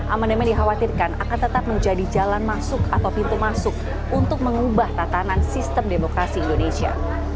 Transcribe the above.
amandemen dikhawatirkan akan tetap menjadi jalan masuk atau pintu masuk untuk mengubah tatanan sistem demokrasi indonesia